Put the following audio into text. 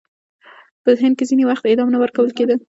په هند کې ځینې وخت اعدام نه ورکول کېده.